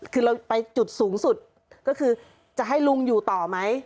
คือเราไปจุดสูงสุดก็คือจะให้ลุงอยู่ต่อไหม